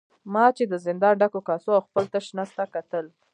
ما چې د زندان ډکو کاسو او خپل تش نس ته کتل.